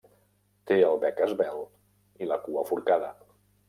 Té el bec esvelt i la cua forcada.